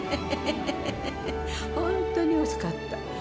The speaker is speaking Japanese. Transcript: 本当に遅かった。